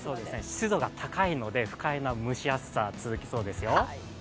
湿度が高いので不快な蒸し暑さが続きそうですよ。